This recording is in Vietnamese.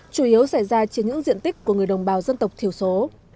chủ yếu xảy ra trên những diện tích của người đồng bào dân tộc thiểu số